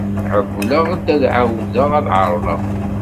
Ԑewwleɣ-d ad εawdeɣ ad εerḍeɣ.